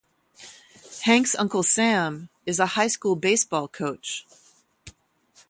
Hank's uncle, Sam, is a high school baseball coach.